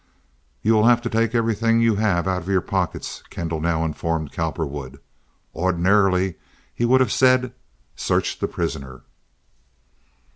"You will have to take everything you have out of your pockets," Kendall now informed Cowperwood. Ordinarily he would have said, "Search the prisoner."